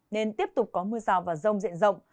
nên tiếp tục có mưa rào và rông diện rộng